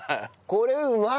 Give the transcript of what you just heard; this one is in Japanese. これうまい！